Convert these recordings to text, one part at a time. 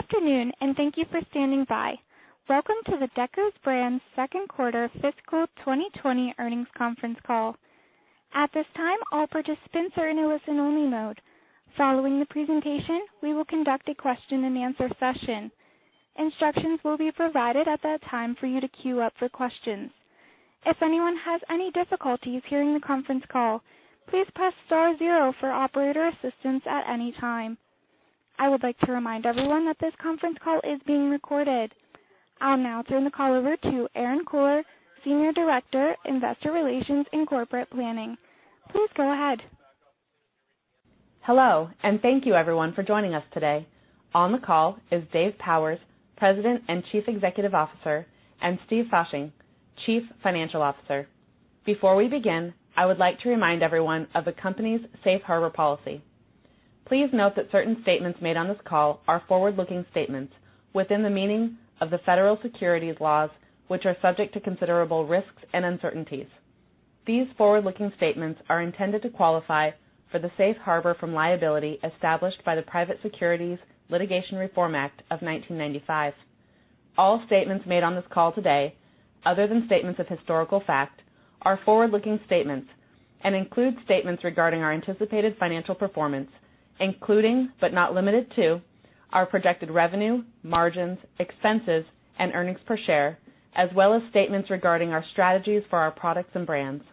Good afternoon, and thank you for standing by. Welcome to the Deckers Brands second quarter fiscal 2020 earnings conference call. At this time, all participants are in a listen only mode. Following the presentation, we will conduct a question and answer session. Instructions will be provided at that time for you to queue up for questions. If anyone has any difficulties hearing the conference call, please press star zero for operator assistance at any time. I would like to remind everyone that this conference call is being recorded. I'll now turn the call over to Erinn Kohler, Senior Director, Investor Relations and Corporate Planning. Please go ahead. Hello, and thank you everyone for joining us today. On the call is Dave Powers, President and Chief Executive Officer, and Steven Fasching, Chief Financial Officer. Before we begin, I would like to remind everyone of the company's safe harbor policy. Please note that certain statements made on this call are forward-looking statements within the meaning of the federal securities laws, which are subject to considerable risks and uncertainties. These forward-looking statements are intended to qualify for the safe harbor from liability established by the Private Securities Litigation Reform Act of 1995. All statements made on this call today, other than statements of historical fact, are forward-looking statements and include statements regarding our anticipated financial performance, including, but not limited to, our projected revenue, margins, expenses and earnings per share, as well as statements regarding our strategies for our products and brands.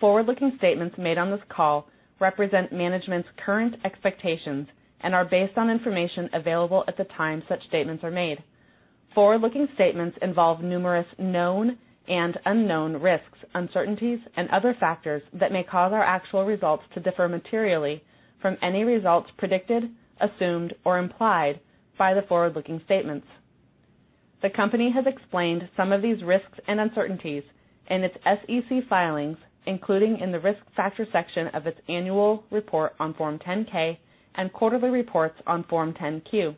Forward-looking statements made on this call represent management's current expectations and are based on information available at the time such statements are made. Forward-looking statements involve numerous known and unknown risks, uncertainties, and other factors that may cause our actual results to differ materially from any results predicted, assumed, or implied by the forward-looking statements. The company has explained some of these risks and uncertainties in its SEC filings, including in the risk factor section of its annual report on Form 10-K and quarterly reports on Form 10-Q.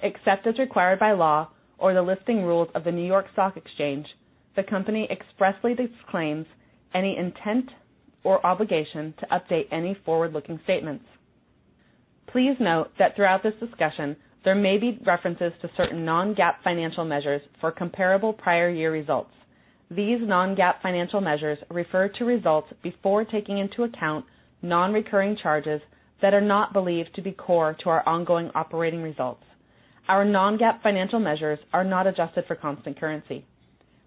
Except as required by law or the listing rules of the New York Stock Exchange, the company expressly disclaims any intent or obligation to update any forward-looking statements. Please note that throughout this discussion, there may be references to certain non-GAAP financial measures for comparable prior year results. These non-GAAP financial measures refer to results before taking into account non-recurring charges that are not believed to be core to our ongoing operating results. Our non-GAAP financial measures are not adjusted for constant currency.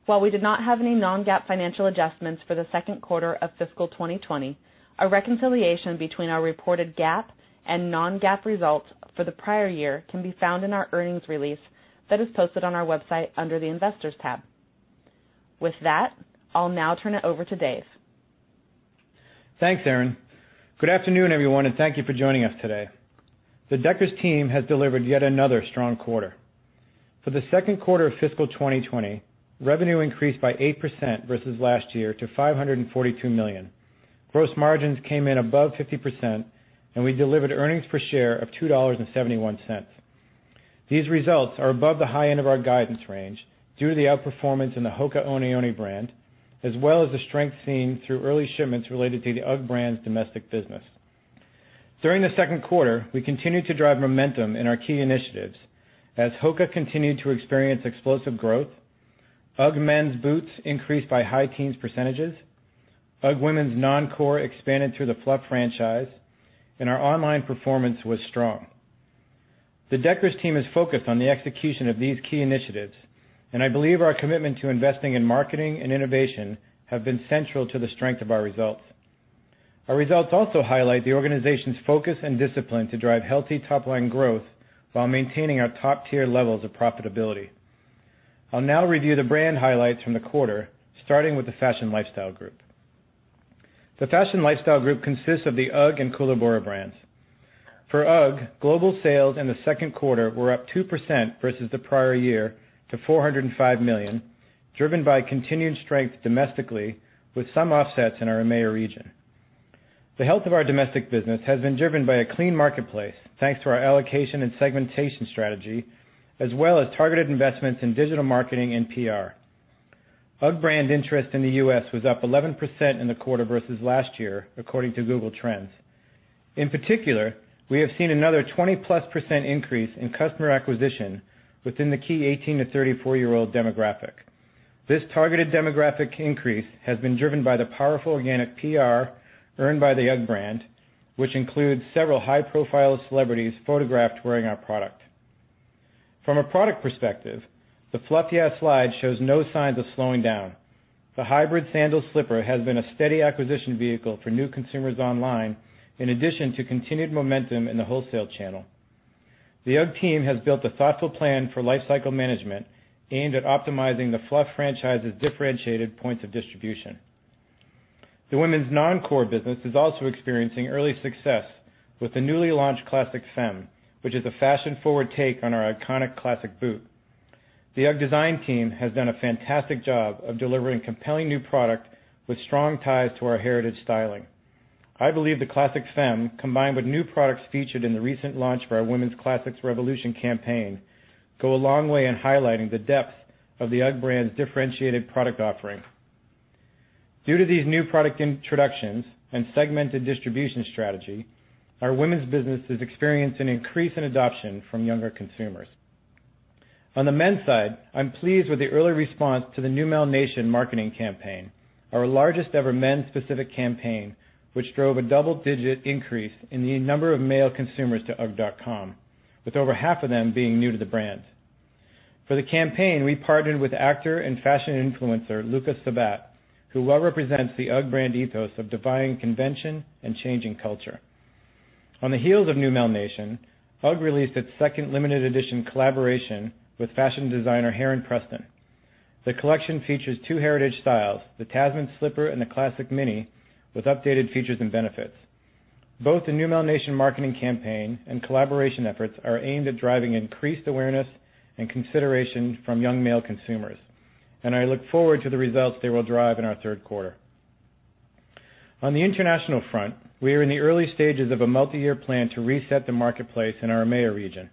While we did not have any non-GAAP financial adjustments for the second quarter of fiscal 2020, a reconciliation between our reported GAAP and non-GAAP results for the prior year can be found in our earnings release that is posted on our website under the investors tab. With that, I'll now turn it over to Dave. Thanks, Erinn. Good afternoon, everyone, and thank you for joining us today. The Deckers team has delivered yet another strong quarter. For the second quarter of fiscal 2020, revenue increased by 8% versus last year to $542 million. Gross margins came in above 50%, and we delivered earnings per share of $2.71. These results are above the high end of our guidance range due to the outperformance in the HOKA ONE ONE brand, as well as the strength seen through early shipments related to the UGG brand's domestic business. During the second quarter, we continued to drive momentum in our key initiatives as HOKA continued to experience explosive growth, UGG men's boots increased by high teens percentages, UGG women's non-core expanded through the Fluff franchise, and our online performance was strong. The Deckers team is focused on the execution of these key initiatives. I believe our commitment to investing in marketing and innovation have been central to the strength of our results. Our results also highlight the organization's focus and discipline to drive healthy top-line growth while maintaining our top tier levels of profitability. I'll now review the brand highlights from the quarter, starting with the Fashion Lifestyle group. The Fashion Lifestyle group consists of the UGG and Koolaburra brands. For UGG, global sales in the second quarter were up 2% versus the prior year to $405 million, driven by continued strength domestically, with some offsets in our EMEA region. The health of our domestic business has been driven by a clean marketplace, thanks to our allocation and segmentation strategy, as well as targeted investments in digital marketing and PR. UGG brand interest in the U.S. was up 11% in the quarter versus last year, according to Google Trends. In particular, we have seen another 20-plus % increase in customer acquisition within the key 18 to 34-year-old demographic. This targeted demographic increase has been driven by the powerful organic PR earned by the UGG brand, which includes several high-profile celebrities photographed wearing our product. From a product perspective, the Fluff Yeah Slide shows no signs of slowing down. The hybrid sandal slipper has been a steady acquisition vehicle for new consumers online, in addition to continued momentum in the wholesale channel. The UGG team has built a thoughtful plan for life cycle management aimed at optimizing the Fluff franchise's differentiated points of distribution. The women's non-core business is also experiencing early success with the newly launched Classic Femme, which is a fashion-forward take on our iconic classic boot. The UGG design team has done a fantastic job of delivering compelling new product with strong ties to our heritage styling. I believe the Classic Femme, combined with new products featured in the recent launch for our Women's Classics Revolution campaign, go a long way in highlighting the depth of the UGG brand's differentiated product offering. Due to these new product introductions and segmented distribution strategy, our women's business is experiencing an increase in adoption from younger consumers. On the men's side, I'm pleased with the early response to the new Neumel Nation marketing campaign, our largest ever men's specific campaign, which drove a double-digit increase in the number of male consumers to ugg.com, with over half of them being new to the brand. For the campaign, we partnered with actor and fashion influencer, Luka Sabbat, who well represents the UGG brand ethos of defying convention and changing culture. On the heels of Neumel Nation, UGG released its second limited edition collaboration with fashion designer, Heron Preston. The collection features two heritage styles, the Tasman slipper and the Classic Mini, with updated features and benefits. Both the Neumel Nation marketing campaign and collaboration efforts are aimed at driving increased awareness and consideration from young male consumers. I look forward to the results they will drive in our third quarter. On the international front, we are in the early stages of a multi-year plan to reset the marketplace in our EMEA region.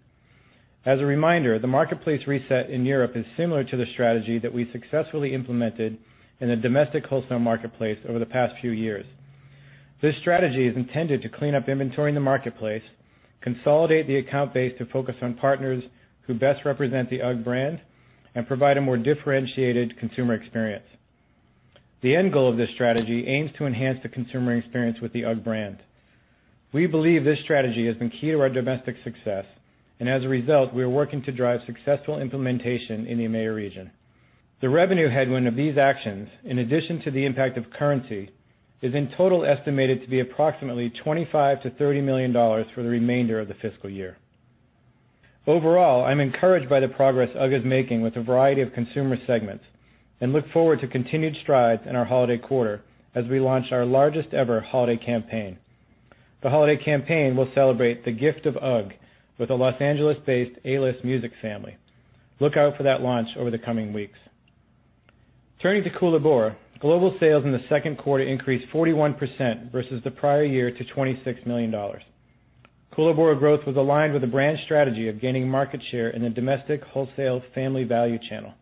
As a reminder, the marketplace reset in Europe is similar to the strategy that we successfully implemented in the domestic wholesale marketplace over the past few years. This strategy is intended to clean up inventory in the marketplace, consolidate the account base to focus on partners who best represent the UGG brand, and provide a more differentiated consumer experience. The end goal of this strategy aims to enhance the consumer experience with the UGG brand. We believe this strategy has been key to our domestic success, and as a result, we are working to drive successful implementation in the EMEA region. The revenue headwind of these actions, in addition to the impact of currency, is in total estimated to be approximately $25 million-$30 million for the remainder of the fiscal year. Overall, I'm encouraged by the progress UGG is making with a variety of consumer segments, and look forward to continued strides in our holiday quarter as we launch our largest ever holiday campaign. The holiday campaign will celebrate the gift of UGG with a Los Angeles-based A-list music family. Look out for that launch over the coming weeks. Turning to Koolaburra, global sales in the second quarter increased 41% versus the prior year to $26 million. Koolaburra growth was aligned with the brand strategy of gaining market share in the domestic wholesale family value channel.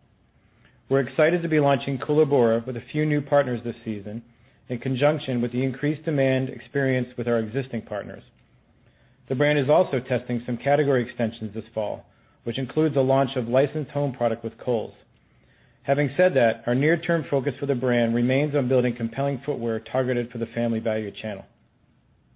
We're excited to be launching Koolaburra with a few new partners this season, in conjunction with the increased demand experienced with our existing partners. The brand is also testing some category extensions this fall, which includes a launch of licensed home product with Kohl's. Having said that, our near term focus for the brand remains on building compelling footwear targeted for the family value channel.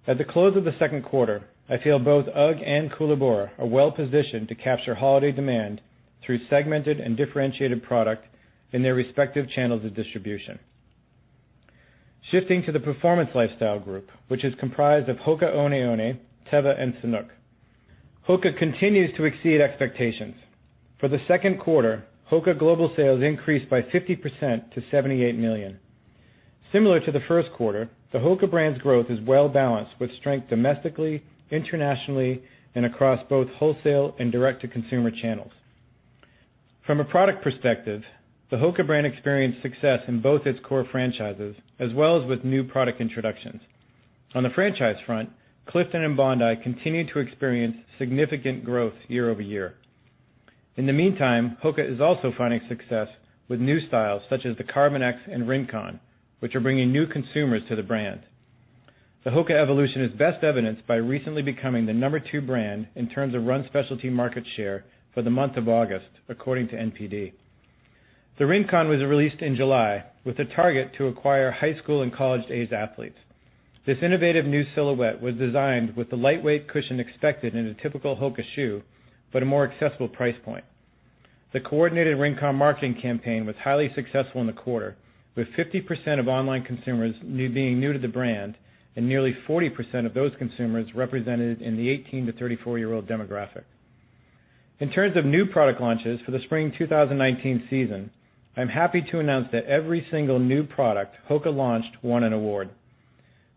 At the close of the second quarter, I feel both UGG and Koolaburra are well-positioned to capture holiday demand through segmented and differentiated product in their respective channels of distribution. Shifting to the Performance Lifestyle group, which is comprised of HOKA ONE ONE, Teva, and Sanuk. HOKA continues to exceed expectations. For the second quarter, HOKA global sales increased by 50% to $78 million. Similar to the first quarter, the HOKA brand's growth is well-balanced, with strength domestically, internationally, and across both wholesale and direct-to-consumer channels. From a product perspective, the HOKA brand experienced success in both its core franchises, as well as with new product introductions. On the franchise front, Clifton and Bondi continued to experience significant growth year-over-year. In the meantime, HOKA is also finding success with new styles such as the Carbon X and Rincon, which are bringing new consumers to the brand. The HOKA evolution is best evidenced by recently becoming the number 2 brand in terms of run specialty market share for the month of August, according to NPD. The Rincon was released in July with a target to acquire high school and college aged athletes. This innovative new silhouette was designed with the lightweight cushion expected in a typical HOKA shoe, but a more accessible price point. The coordinated Rincon marketing campaign was highly successful in the quarter, with 50% of online consumers being new to the brand, and nearly 40% of those consumers represented in the 18 to 34-year-old demographic. In terms of new product launches for the spring 2019 season, I'm happy to announce that every single new product HOKA launched won an award.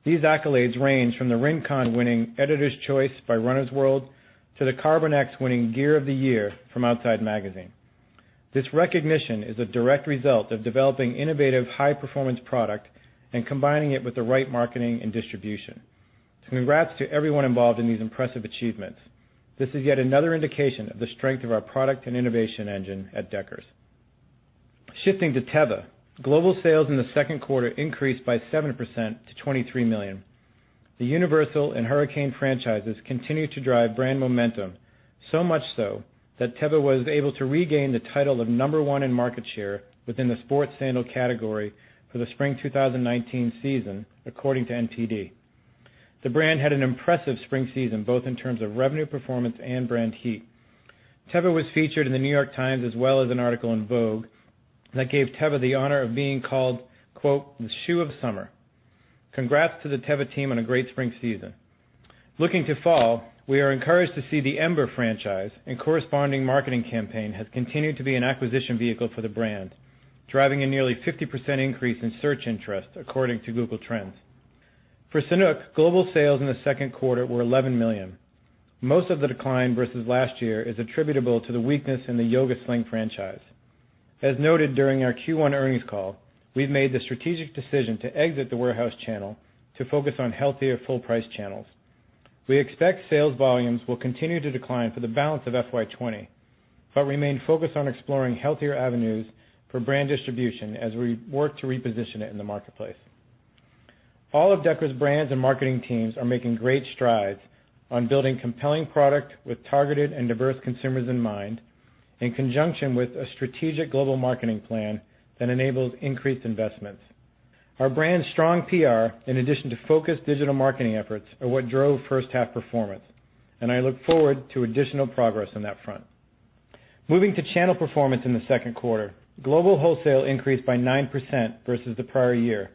These accolades range from the Rincon winning Editor's Choice by Runner's World, to the Carbon X winning Gear of the Year from Outside Magazine. This recognition is a direct result of developing innovative, high-performance product and combining it with the right marketing and distribution. Congrats to everyone involved in these impressive achievements. This is yet another indication of the strength of our product and innovation engine at Deckers. Shifting to Teva. Global sales in the second quarter increased by 7% to $23 million. The Universal and Hurricane franchises continue to drive brand momentum, so much so that Teva was able to regain the title of number one in market share within the sports sandal category for the spring 2019 season, according to NPD. The brand had an impressive spring season, both in terms of revenue performance and brand heat. Teva was featured in The New York Times, as well as an article in Vogue that gave Teva the honor of being called, quote, "the shoe of summer." Congrats to the Teva team on a great spring season. Looking to fall, we are encouraged to see the Ember franchise and corresponding marketing campaign has continued to be an acquisition vehicle for the brand, driving a nearly 50% increase in search interest, according to Google Trends. For Sanuk, global sales in the second quarter were $11 million. Most of the decline versus last year is attributable to the weakness in the Yoga Sling franchise. As noted during our Q1 earnings call, we've made the strategic decision to exit the warehouse channel to focus on healthier full price channels. We expect sales volumes will continue to decline for the balance of FY 2020, remain focused on exploring healthier avenues for brand distribution as we work to reposition it in the marketplace. All of Deckers Brands and marketing teams are making great strides on building compelling product with targeted and diverse consumers in mind, in conjunction with a strategic global marketing plan that enables increased investments. Our brand's strong PR, in addition to focused digital marketing efforts, are what drove first half performance, and I look forward to additional progress on that front. Moving to channel performance in the second quarter, global wholesale increased by 9% versus the prior year,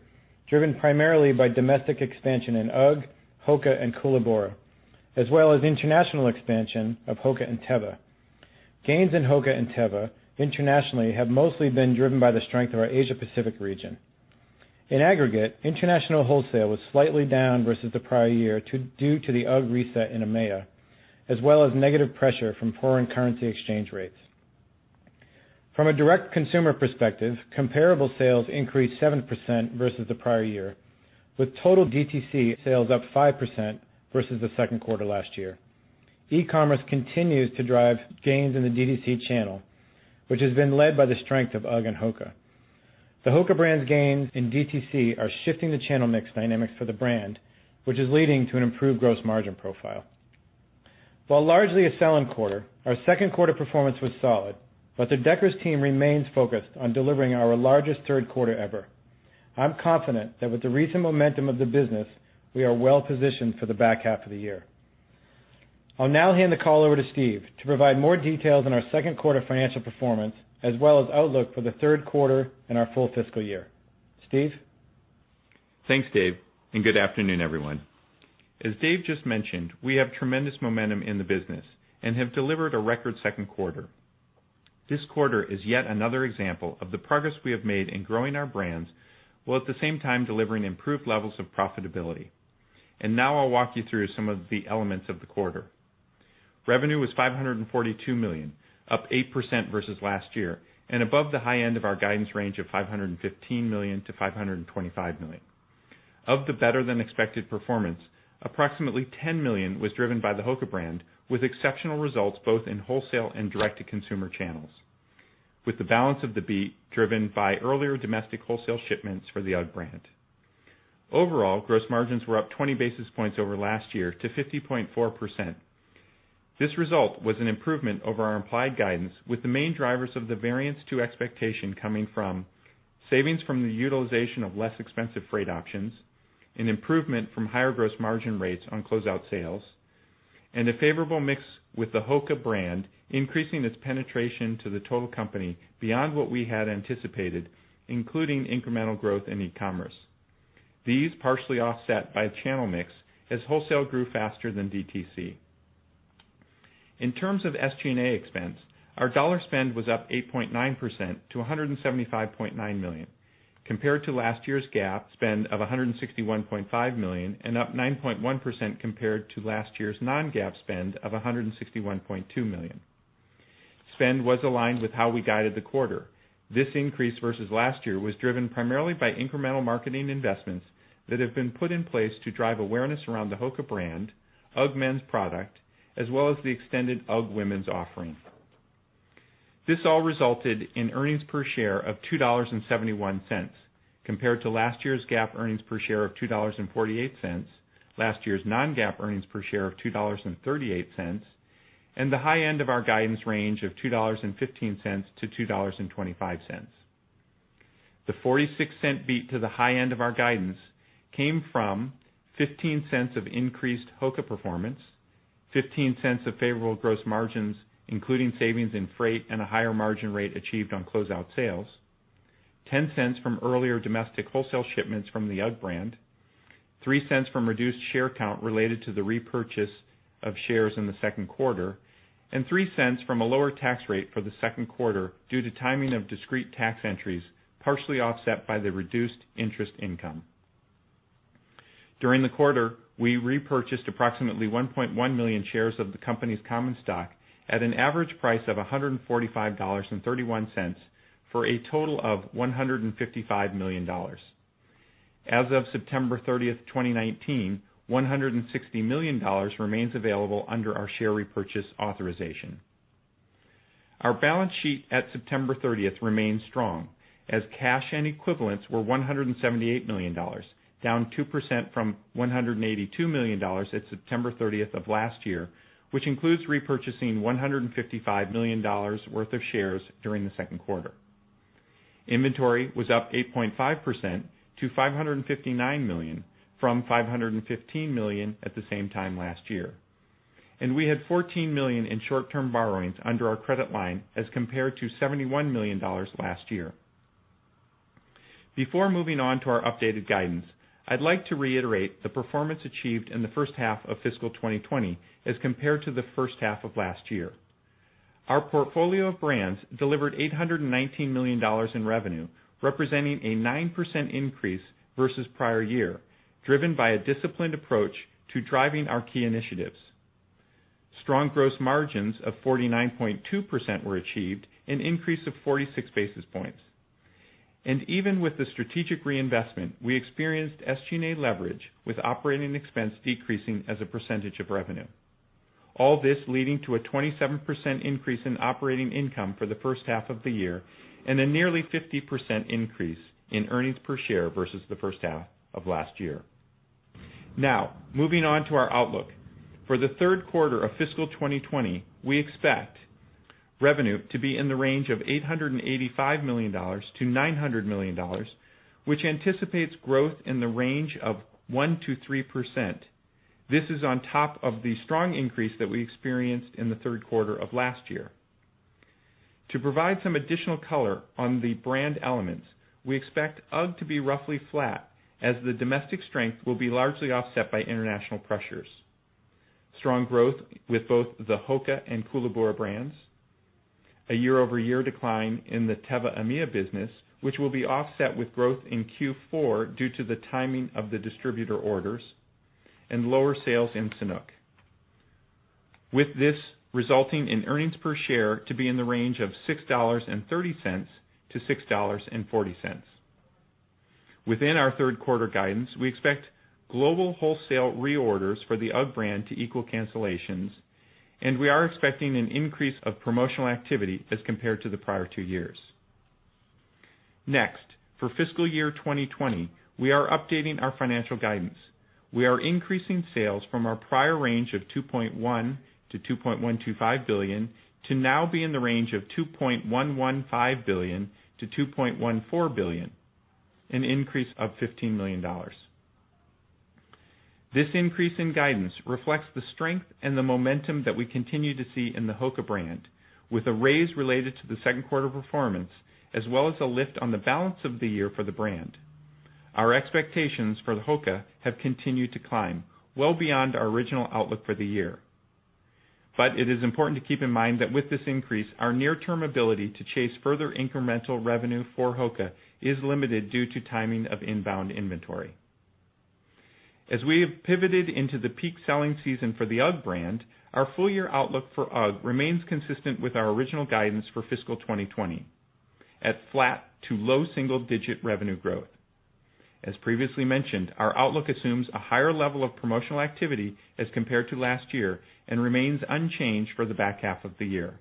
driven primarily by domestic expansion in UGG, HOKA, and Koolaburra, as well as international expansion of HOKA and Teva. Gains in HOKA and Teva internationally have mostly been driven by the strength of our Asia Pacific region. In aggregate, international wholesale was slightly down versus the prior year due to the UGG reset in EMEA, as well as negative pressure from foreign currency exchange rates. From a direct consumer perspective, comparable sales increased 7% versus the prior year, with total DTC sales up 5% versus the second quarter last year. E-commerce continues to drive gains in the DTC channel, which has been led by the strength of UGG and HOKA. The HOKA brand's gains in DTC are shifting the channel mix dynamics for the brand, which is leading to an improved gross margin profile. While largely a selling quarter, our second quarter performance was solid, but the Deckers team remains focused on delivering our largest third quarter ever. I'm confident that with the recent momentum of the business, we are well positioned for the back half of the year. I'll now hand the call over to Steve to provide more details on our second quarter financial performance, as well as outlook for the third quarter and our full fiscal year. Steve? Thanks, Dave, good afternoon, everyone. As Dave just mentioned, we have tremendous momentum in the business and have delivered a record second quarter. This quarter is yet another example of the progress we have made in growing our brands, while at the same time delivering improved levels of profitability. Now I'll walk you through some of the elements of the quarter. Revenue was $542 million, up 8% versus last year, and above the high end of our guidance range of $515 million-$525 million. Of the better-than-expected performance, approximately $10 million was driven by the HOKA brand, with exceptional results both in wholesale and direct-to-consumer channels, with the balance of the beat driven by earlier domestic wholesale shipments for the UGG brand. Overall, gross margins were up 20 basis points over last year to 50.4%. This result was an improvement over our implied guidance, with the main drivers of the variance to expectation coming from savings from the utilization of less expensive freight options and improvement from higher gross margin rates on closeout sales, and a favorable mix with the HOKA brand increasing its penetration to the total company beyond what we had anticipated, including incremental growth in e-commerce. These partially offset by channel mix, as wholesale grew faster than DTC. In terms of SG&A expense, our dollar spend was up 8.9% to $175.9 million, compared to last year's GAAP spend of $161.5 million and up 9.1% compared to last year's non-GAAP spend of $161.2 million. Spend was aligned with how we guided the quarter. This increase versus last year was driven primarily by incremental marketing investments that have been put in place to drive awareness around the HOKA brand, UGG men's product, as well as the extended UGG women's offering. This all resulted in earnings per share of $2.71, compared to last year's GAAP earnings per share of $2.48, last year's non-GAAP earnings per share of $2.38, and the high end of our guidance range of $2.15-$2.25. The $0.46 beat to the high end of our guidance came from $0.15 of increased HOKA performance, $0.15 of favorable gross margins, including savings in freight and a higher margin rate achieved on closeout sales, $0.10 from earlier domestic wholesale shipments from the UGG brand, $0.03 from reduced share count related to the repurchase of shares in the second quarter, and $0.03 from a lower tax rate for the second quarter due to timing of discrete tax entries, partially offset by the reduced interest income. During the quarter, we repurchased approximately 1.1 million shares of the company's common stock at an average price of $145.31 for a total of $155 million. As of September 30th, 2019, $160 million remains available under our share repurchase authorization. Our balance sheet at September 30th remains strong as cash and equivalents were $178 million, down 2% from $182 million at September 30th of last year, which includes repurchasing $155 million worth of shares during the second quarter. Inventory was up 8.5% to $559 million from $515 million at the same time last year. We had $14 million in short-term borrowings under our credit line as compared to $71 million last year. Before moving on to our updated guidance, I'd like to reiterate the performance achieved in the first half of fiscal 2020 as compared to the first half of last year. Our portfolio of brands delivered $819 million in revenue, representing a 9% increase versus prior year, driven by a disciplined approach to driving our key initiatives. Strong gross margins of 49.2% were achieved, an increase of 46 basis points. Even with the strategic reinvestment, we experienced SG&A leverage with operating expense decreasing as a percentage of revenue. All this leading to a 27% increase in operating income for the first half of the year and a nearly 50% increase in EPS versus the first half of last year. Moving on to our outlook. For the third quarter of fiscal 2020, we expect revenue to be in the range of $885 million to $900 million, which anticipates growth in the range of 1% to 3%. This is on top of the strong increase that we experienced in the third quarter of last year. To provide some additional color on the brand elements, we expect UGG to be roughly flat as the domestic strength will be largely offset by international pressures. Strong growth with both the HOKA and Koolaburra brands, a year-over-year decline in the Teva EMEA business, which will be offset with growth in Q4 due to the timing of the distributor orders and lower sales in Sanuk, with this resulting in earnings per share to be in the range of $6.30 to $6.40. Within our third quarter guidance, we expect global wholesale reorders for the UGG brand to equal cancellations, and we are expecting an increase of promotional activity as compared to the prior two years. Next, for fiscal year 2020, we are updating our financial guidance. We are increasing sales from our prior range of $2.1 billion to $2.125 billion, to now be in the range of $2.115 billion to $2.14 billion, an increase of $15 million. This increase in guidance reflects the strength and the momentum that we continue to see in the HOKA brand, with a raise related to the second quarter performance, as well as a lift on the balance of the year for the brand. Our expectations for HOKA have continued to climb well beyond our original outlook for the year. It is important to keep in mind that with this increase, our near-term ability to chase further incremental revenue for HOKA is limited due to timing of inbound inventory. As we have pivoted into the peak selling season for the UGG brand, our full-year outlook for UGG remains consistent with our original guidance for fiscal 2020 at flat to low double-digit revenue growth. As previously mentioned, our outlook assumes a higher level of promotional activity as compared to last year and remains unchanged for the back half of the year.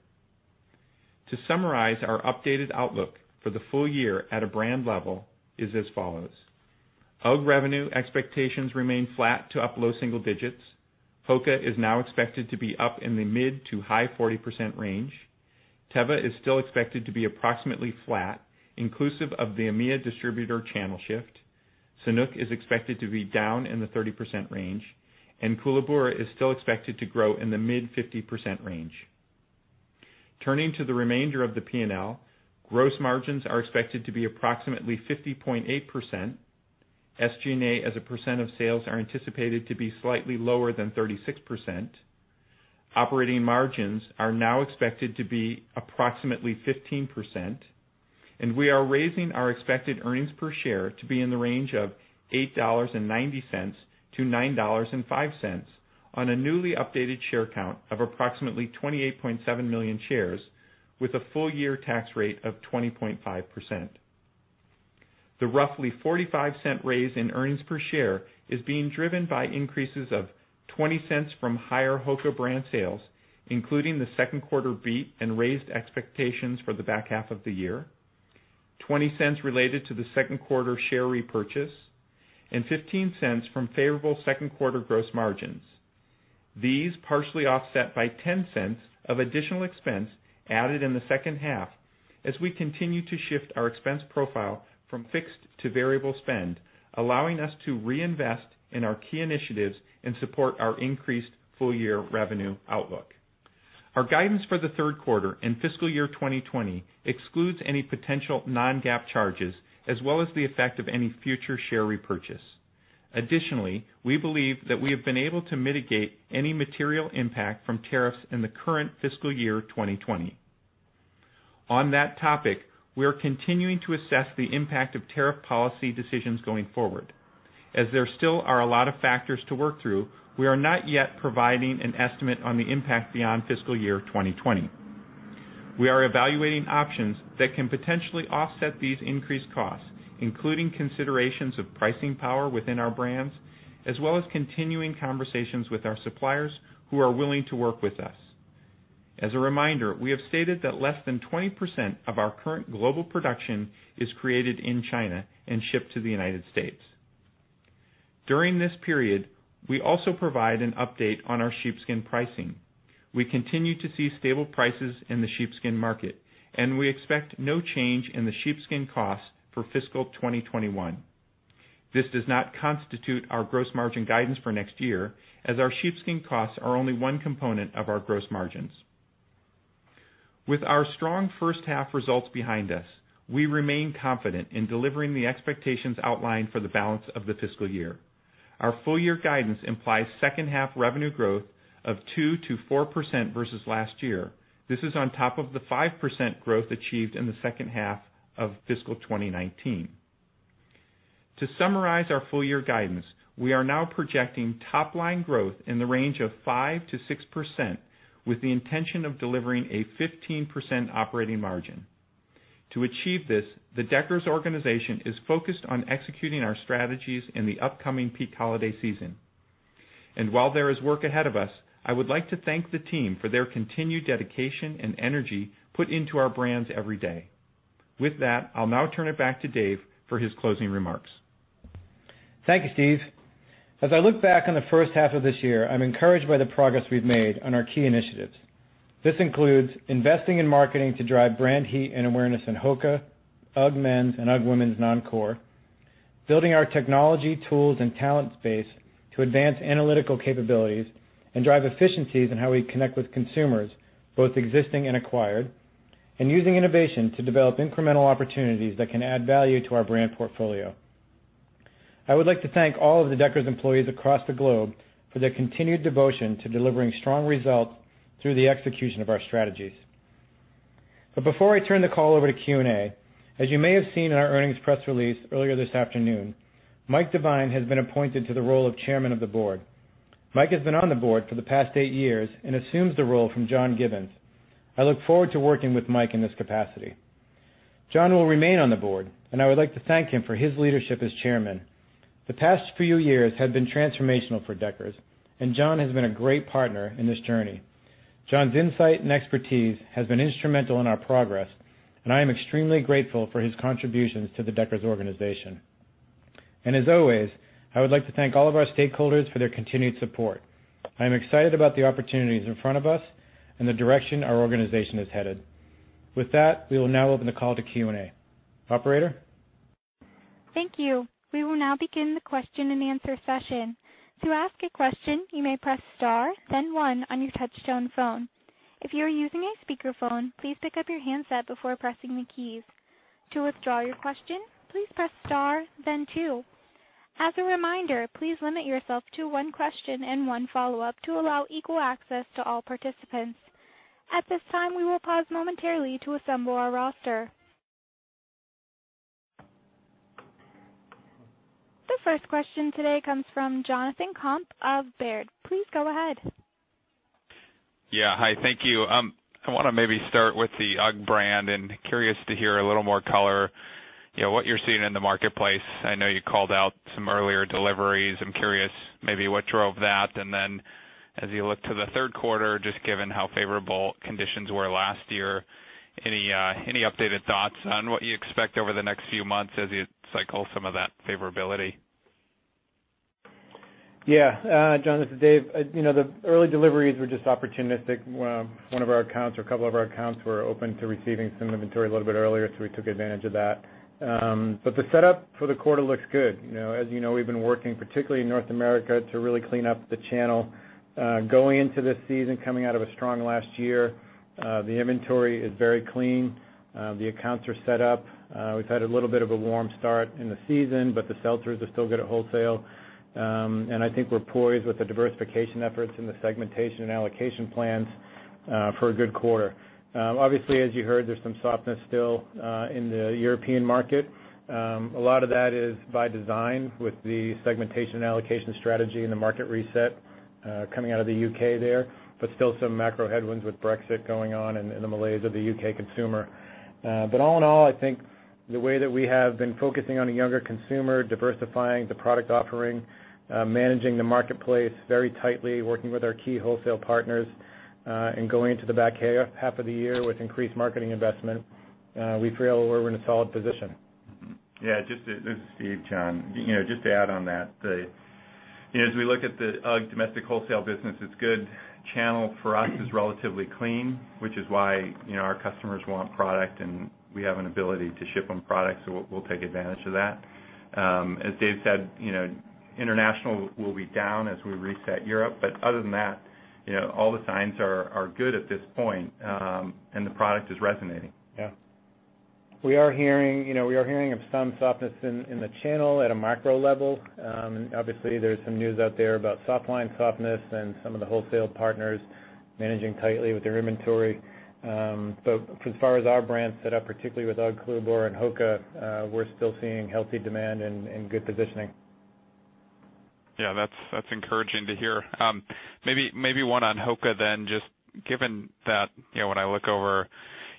To summarize our updated outlook for the full year at a brand level is as follows. UGG revenue expectations remain flat to up low single digits. HOKA is now expected to be up in the mid to high 40% range. Teva is still expected to be approximately flat, inclusive of the EMEA distributor channel shift. Sanuk is expected to be down in the 30% range, and Koolaburra is still expected to grow in the mid 50% range. Turning to the remainder of the P&L, gross margins are expected to be approximately 50.8%. SG&A as a % of sales are anticipated to be slightly lower than 36%. Operating margins are now expected to be approximately 15%, and we are raising our expected earnings per share to be in the range of $8.90 to $9.05 on a newly updated share count of approximately 28.7 million shares, with a full-year tax rate of 20.5%. The roughly $0.45 raise in earnings per share is being driven by increases of $0.20 from higher HOKA brand sales, including the second quarter beat and raised expectations for the back half of the year, $0.20 related to the second quarter share repurchase, and $0.15 from favorable second quarter gross margins. These partially offset by $0.10 of additional expense added in the second half as we continue to shift our expense profile from fixed to variable spend, allowing us to reinvest in our key initiatives and support our increased full-year revenue outlook. Our guidance for the third quarter and fiscal year 2020 excludes any potential non-GAAP charges as well as the effect of any future share repurchase. Additionally, we believe that we have been able to mitigate any material impact from tariffs in the current fiscal year 2020. On that topic, we are continuing to assess the impact of tariff policy decisions going forward. As there still are a lot of factors to work through, we are not yet providing an estimate on the impact beyond fiscal year 2020. We are evaluating options that can potentially offset these increased costs, including considerations of pricing power within our brands, as well as continuing conversations with our suppliers who are willing to work with us. As a reminder, we have stated that less than 20% of our current global production is created in China and shipped to the United States. During this period, we also provide an update on our sheepskin pricing. We continue to see stable prices in the sheepskin market, and we expect no change in the sheepskin cost for fiscal 2021. This does not constitute our gross margin guidance for next year, as our sheepskin costs are only one component of our gross margins. With our strong first half results behind us, we remain confident in delivering the expectations outlined for the balance of the fiscal year. Our full-year guidance implies second half revenue growth of 2%-4% versus last year. This is on top of the 5% growth achieved in the second half of fiscal 2019. To summarize our full-year guidance, we are now projecting top-line growth in the range of 5%-6% with the intention of delivering a 15% operating margin. To achieve this, the Deckers organization is focused on executing our strategies in the upcoming peak holiday season. While there is work ahead of us, I would like to thank the team for their continued dedication and energy put into our brands every day. With that, I'll now turn it back to Dave for his closing remarks. Thank you, Steve. As I look back on the first half of this year, I'm encouraged by the progress we've made on our key initiatives. This includes investing in marketing to drive brand heat and awareness in Hoka, UGG men's and UGG women's non-core, building our technology tools and talent space to advance analytical capabilities and drive efficiencies in how we connect with consumers, both existing and acquired, and using innovation to develop incremental opportunities that can add value to our brand portfolio. I would like to thank all of the Deckers employees across the globe for their continued devotion to delivering strong results through the execution of our strategies. Before I turn the call over to Q&A, as you may have seen in our earnings press release earlier this afternoon, Michael Devine has been appointed to the role of Chairman of the Board. Mike has been on the board for the past eight years and assumes the role from John Gibbons. I look forward to working with Mike in this capacity. John will remain on the board, and I would like to thank him for his leadership as chairman. The past few years have been transformational for Deckers, and John has been a great partner in this journey. John's insight and expertise has been instrumental in our progress, and I am extremely grateful for his contributions to the Deckers organization. As always, I would like to thank all of our stakeholders for their continued support. I am excited about the opportunities in front of us and the direction our organization is headed. With that, we will now open the call to Q&A. Operator? Thank you. We will now begin the question-and-answer session. To ask a question, you may press star, then one on your touchtone phone. If you are using a speakerphone, please pick up your handset before pressing the keys. To withdraw your question, please press star, then two. As a reminder, please limit yourself to one question and one follow-up to allow equal access to all participants. At this time, we will pause momentarily to assemble our roster. The first question today comes from Jonathan Komp of Baird. Please go ahead. Yeah. Hi, thank you. I want to maybe start with the UGG brand and curious to hear a little more color, what you're seeing in the marketplace. I know you called out some earlier deliveries. I'm curious maybe what drove that. As you look to the third quarter, just given how favorable conditions were last year, any updated thoughts on what you expect over the next few months as you cycle some of that favorability? Yeah. Jon, this is Dave. The early deliveries were just opportunistic. One of our accounts or a couple of our accounts were open to receiving some inventory a little bit earlier. We took advantage of that. The setup for the quarter looks good. As you know, we've been working particularly in North America to really clean up the channel. Going into this season, coming out of a strong last year, the inventory is very clean. The accounts are set up. We've had a little bit of a warm start in the season. The sell-throughs are still good at wholesale. I think we're poised with the diversification efforts and the segmentation and allocation plans for a good quarter. Obviously, as you heard, there's some softness still in the European market. A lot of that is by design with the segmentation and allocation strategy and the market reset coming out of the U.K. there, still some macro headwinds with Brexit going on and the malaise of the U.K. consumer. All in all, I think the way that we have been focusing on a younger consumer, diversifying the product offering, managing the marketplace very tightly, working with our key wholesale partners, and going into the back half of the year with increased marketing investment, we feel we're in a solid position. Yeah. This is Steve, Jon. Just to add on that, as we look at the UGG domestic wholesale business, it's good. Channel for us is relatively clean, which is why our customers want product, and we have an ability to ship them product, so we'll take advantage of that. As Dave said, international will be down as we reset Europe. Other than that, all the signs are good at this point, and the product is resonating. Yeah. We are hearing of some softness in the channel at a macro level. Obviously, there's some news out there about softline softness and some of the wholesale partners managing tightly with their inventory. As far as our brands set up, particularly with UGG, Koolaburra, and HOKA, we're still seeing healthy demand and good positioning. Yeah, that's encouraging to hear. Maybe one on Hoka then. Just given that when I look over,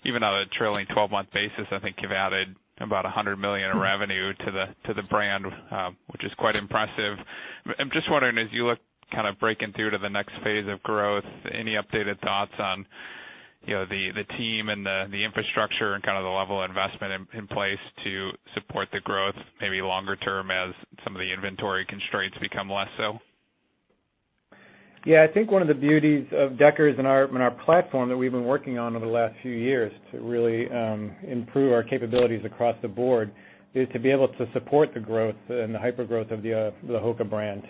even on a trailing 12-month basis, I think you've added about $100 million in revenue to the brand, which is quite impressive. I'm just wondering, as you look breaking through to the next phase of growth, any updated thoughts on the team and the infrastructure and the level of investment in place to support the growth, maybe longer term as some of the inventory constraints become less so? Yeah. I think one of the beauties of Deckers and our platform that we've been working on over the last few years to really improve our capabilities across the board is to be able to support the growth and the hypergrowth of the HOKA brand.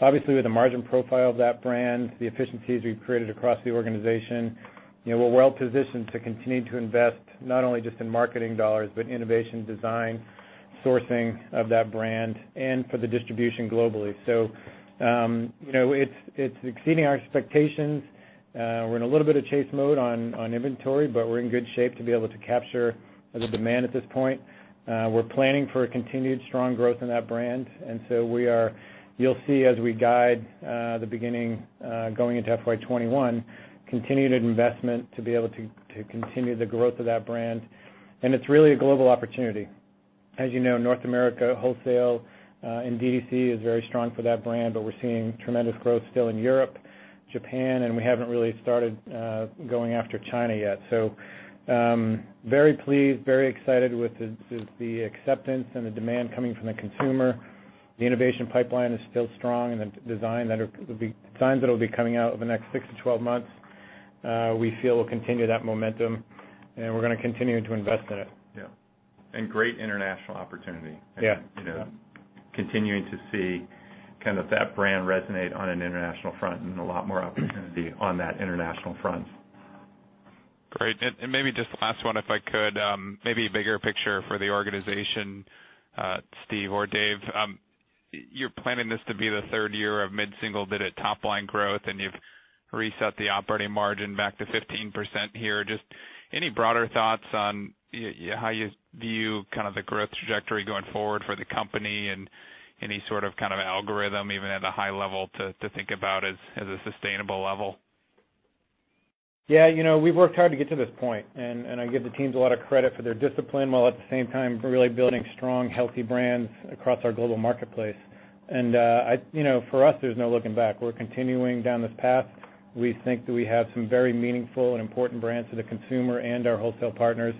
Obviously, with the margin profile of that brand, the efficiencies we've created across the organization, we're well positioned to continue to invest not only just in marketing dollars, but innovation design sourcing of that brand and for the distribution globally. It's exceeding our expectations. We're in a little bit of chase mode on inventory, but we're in good shape to be able to capture the demand at this point. We're planning for a continued strong growth in that brand. You'll see as we guide the beginning going into FY 2021, continued investment to be able to continue the growth of that brand. It's really a global opportunity. As you know, North America wholesale and DTC is very strong for that brand, but we're seeing tremendous growth still in Europe, Japan, and we haven't really started going after China yet. Very pleased, very excited with the acceptance and the demand coming from the consumer. The innovation pipeline is still strong, and the designs that'll be coming out over the next 6 months-12 months, we feel will continue that momentum, and we're going to continue to invest in it. Yeah. Great international opportunity. Yeah. Continuing to see that brand resonate on an international front and a lot more opportunity on that international front. Great. Maybe just last one, if I could, maybe bigger picture for the organization, Steve or Dave. You're planning this to be the third year of mid-single-digit top-line growth, and you've reset the operating margin back to 15% here. Just any broader thoughts on how you view the growth trajectory going forward for the company and any sort of algorithm even at a high level to think about as a sustainable level? Yeah. We've worked hard to get to this point, and I give the teams a lot of credit for their discipline, while at the same time, really building strong, healthy brands across our global marketplace. For us, there's no looking back. We're continuing down this path. We think that we have some very meaningful and important brands to the consumer and our wholesale partners.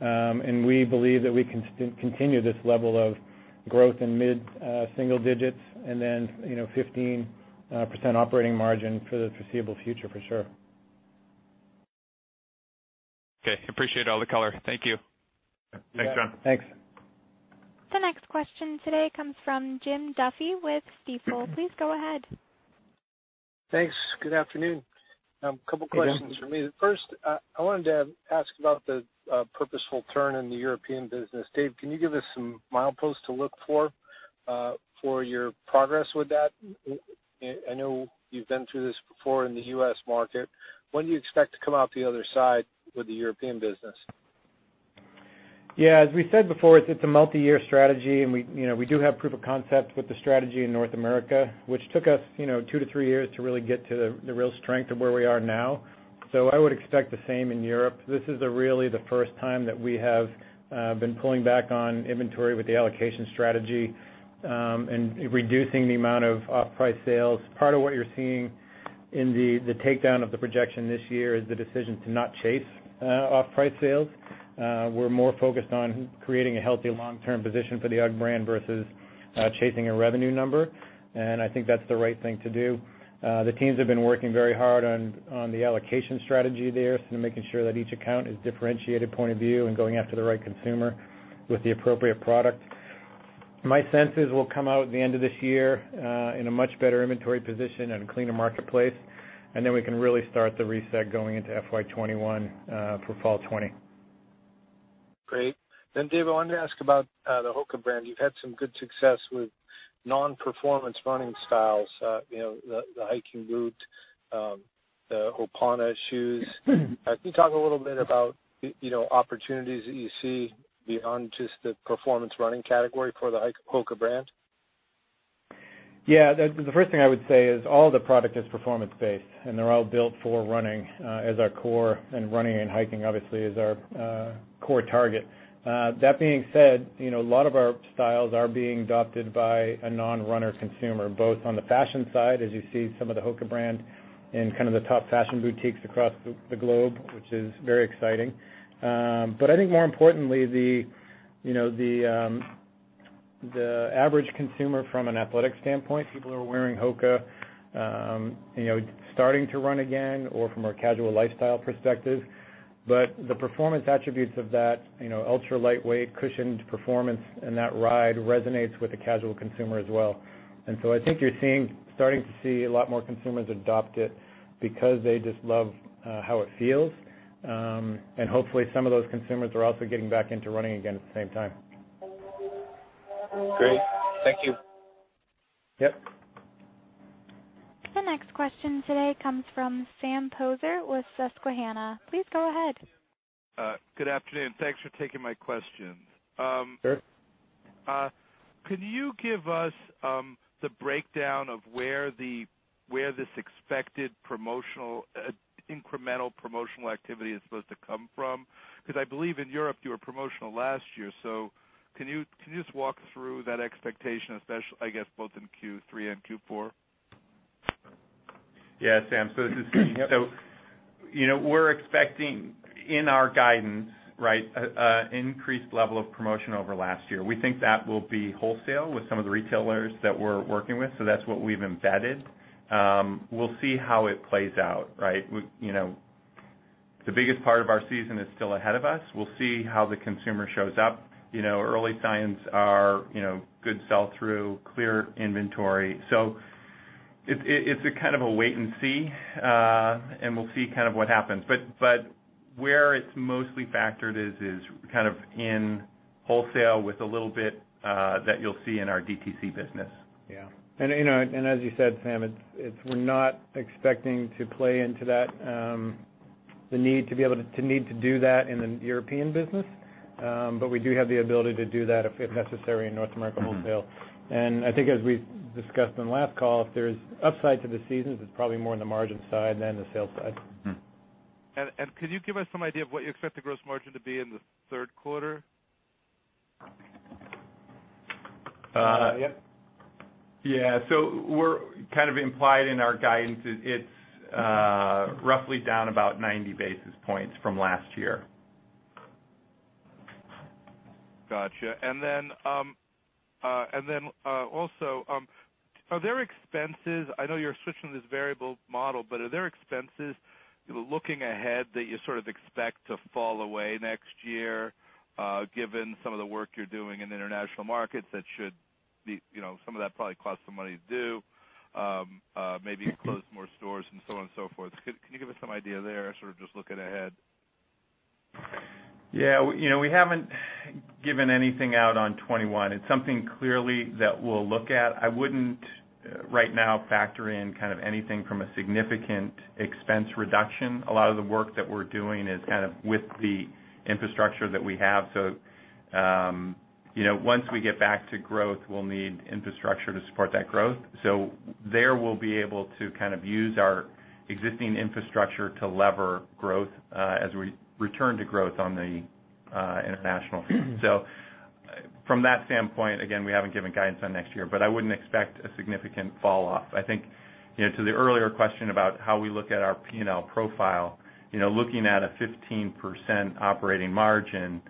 We believe that we can continue this level of growth in mid-single digits and then 15% operating margin for the foreseeable future, for sure. Okay. Appreciate all the color. Thank you. Yeah. Thanks, Jon. Thanks. The next question today comes from Jim Duffy with Stifel. Please go ahead. Thanks. Good afternoon. Hey, Jim. A couple questions from me. First, I wanted to ask about the purposeful turn in the European business. Dave, can you give us some mileposts to look for your progress with that? I know you've been through this before in the U.S. market. When do you expect to come out the other side with the European business? As we said before, it's a multi-year strategy, and we do have proof of concept with the strategy in North America, which took us two to three years to really get to the real strength of where we are now. I would expect the same in Europe. This is really the first time that we have been pulling back on inventory with the allocation strategy, and reducing the amount of off-price sales. Part of what you're seeing in the takedown of the projection this year is the decision to not chase off-price sales. We're more focused on creating a healthy long-term position for the UGG brand versus chasing a revenue number, and I think that's the right thing to do. The teams have been working very hard on the allocation strategy there, so making sure that each account is differentiated point of view and going after the right consumer with the appropriate product. My sense is we'll come out at the end of this year in a much better inventory position and a cleaner marketplace. Then we can really start the reset going into FY 2021, for fall 2020. Great. Dave, I wanted to ask about the HOKA brand. You've had some good success with non-performance running styles, the Hiking Boot, the Hopara shoes. Can you talk a little bit about opportunities that you see beyond just the performance running category for the HOKA brand? The first thing I would say is all the product is performance based, and they're all built for running as our core, and running and hiking obviously is our core target. That being said, a lot of our styles are being adopted by a non-runner consumer, both on the fashion side, as you see some of the HOKA brand in the top fashion boutiques across the globe, which is very exciting. I think more importantly, the average consumer from an athletic standpoint, people who are wearing HOKA, starting to run again or from a casual lifestyle perspective. The performance attributes of that ultra-lightweight cushioned performance and that ride resonates with the casual consumer as well. I think you're starting to see a lot more consumers adopt it because they just love how it feels. Hopefully, some of those consumers are also getting back into running again at the same time. Great. Thank you. Yep. The next question today comes from Sam Poser with Susquehanna. Please go ahead. Good afternoon. Thanks for taking my questions. Sure. Can you give us the breakdown of where this expected incremental promotional activity is supposed to come from? I believe in Europe you were promotional last year. Can you just walk through that expectation, I guess, both in Q3 and Q4? Yeah, Sam. This is Steve. Yep. We're expecting in our guidance, increased level of promotion over last year. We think that will be wholesale with some of the retailers that we're working with, so that's what we've embedded. We'll see how it plays out. The biggest part of our season is still ahead of us. We'll see how the consumer shows up. Early signs are good sell-through. Clear inventory. It's a kind of a wait and see, and we'll see what happens. Where it's mostly factored is kind of in wholesale with a little bit that you'll see in our DTC business. Yeah. As you said, Sam, we're not expecting to play into that, the need to be able to do that in the European business. We do have the ability to do that if necessary in North America wholesale. I think as we discussed on the last call, if there's upside to the seasons, it's probably more on the margin side than the sales side. Could you give us some idea of what you expect the gross margin to be in the third quarter? Yeah. We're kind of implied in our guidance. It's roughly down about 90 basis points from last year. Got you. I know you're switching to this variable model. Are there expenses, looking ahead, that you sort of expect to fall away next year, given some of the work you're doing in the international markets? Some of that probably cost some money to do. Maybe you close more stores and so on and so forth. Can you give us some idea there, sort of just looking ahead? We haven't given anything out on 2021. It's something clearly that we'll look at. I wouldn't right now factor in kind of anything from a significant expense reduction. A lot of the work that we're doing is kind of with the infrastructure that we have. Once we get back to growth, we'll need infrastructure to support that growth. There, we'll be able to kind of use our existing infrastructure to lever growth as we return to growth on the international front. From that standpoint, again, we haven't given guidance on next year. I wouldn't expect a significant fall off. I think, to the earlier question about how we look at our P&L profile, looking at a 15% operating margin,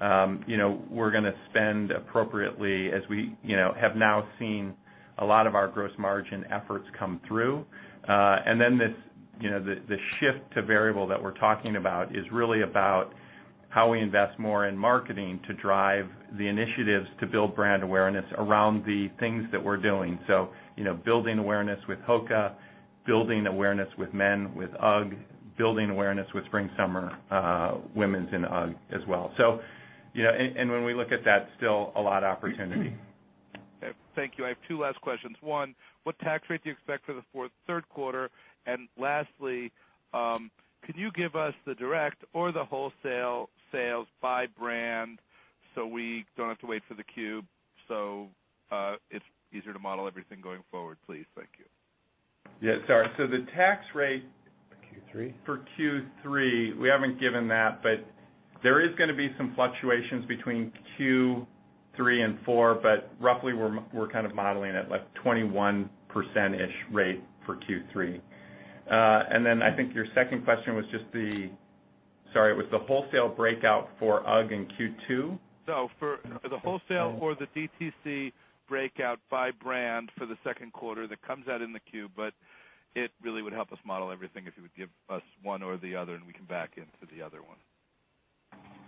we're going to spend appropriately as we have now seen a lot of our gross margin efforts come through. The shift to variable that we're talking about is really about how we invest more in marketing to drive the initiatives to build brand awareness around the things that we're doing. Building awareness with HOKA, building awareness with men with UGG, building awareness with spring/summer women's in UGG as well. When we look at that, still a lot of opportunity. Okay. Thank you. I have two last questions. One, what tax rate do you expect for the third quarter? Lastly, could you give us the direct or the wholesale sales by brand so we don't have to wait for the cube? It's easier to model everything going forward, please. Thank you. Yeah. Sorry. The tax rate- For Q3? for Q3, we haven't given that, but there is going to be some fluctuations between Q3 and 4, but roughly we're kind of modeling at like 21%-ish rate for Q3. I think your second question was just the Sorry, it was the wholesale breakout for UGG in Q2? No, for the wholesale or the DTC breakout by brand for the second quarter. That comes out in the cube, but it really would help us model everything if you would give us one or the other, and we can back into the other one.